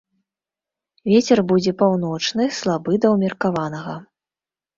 Вецер будзе паўночны, слабы да ўмеркаванага.